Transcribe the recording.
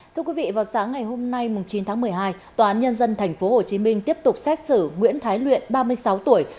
thưa quý vị vào sáng ngày hôm nay chín tháng một mươi hai tòa án nhân dân tp hcm tiếp tục xét xử nguyễn thái luyện ba mươi sáu tuổi